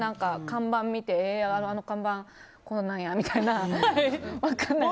看板見て、あの看板こうなんやみたいな。